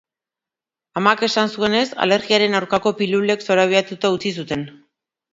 Amak esan zuenez, alergiaren aurkako pilulek zorabiatuta utzi zuten.